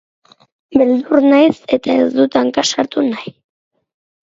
Beldur naiz eta ez dut hanka sartu nahi.